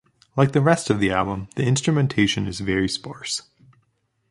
Like the rest of the album, the instrumentation is very sparse.